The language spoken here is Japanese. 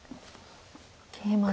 ケイマで。